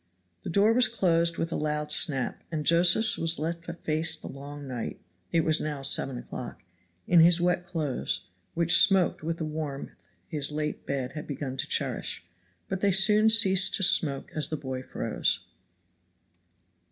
The door was closed with a loud snap, and Josephs was left to face the long night (it was now seven o'clock) in his wet clothes, which smoked with the warmth his late bed had begun to cherish; but they soon ceased to smoke as the boy froze.